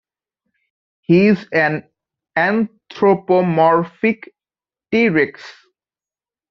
He's an anthropomorphic "T. rex".